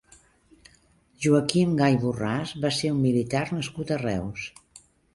Joaquim Gay Borràs va ser un militar nascut a Reus.